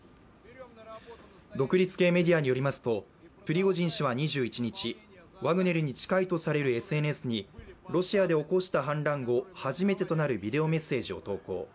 独立系メディアによりますとプリゴジン氏は２１日、ワグネルに近いとされるＳＮＳにロシアで起こした反乱後、初めてとなるビデオメッセージを投稿。